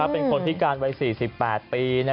เป็นคนพิการวัย๔๘ปี